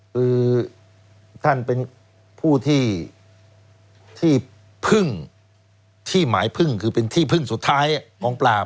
คือท่านเป็นผู้ที่พึ่งที่หมายพึ่งคือเป็นที่พึ่งสุดท้ายของปราบ